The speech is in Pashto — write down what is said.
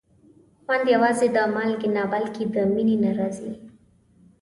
خوند یوازې د مالګې نه، بلکې د مینې نه راځي.